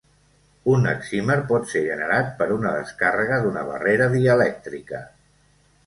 Un excímer pot ser generat per una descàrrega d'una barrera dielèctrica.